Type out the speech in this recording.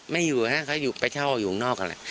ไม่อยู่ฮะเค้าไปเช่าอยู่ข้างนอกกันเลย